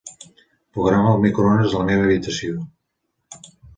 Programa el microones de la meva habitació.